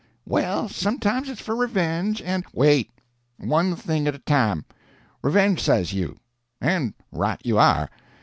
_" "Well, sometimes it's for revenge, and—" "Wait. One thing at a time. Revenge, says you; and right you are.